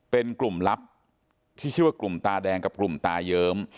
เป็นกลุ่มลับที่ชื่อว่ากลุ่มตาแดงกับกลุ่มตาเยิ้ม